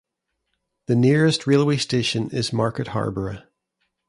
The nearest railway station is Market Harborough.